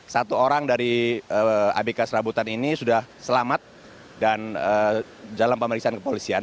satu orang dari abk serabutan ini sudah selamat dan dalam pemeriksaan kepolisian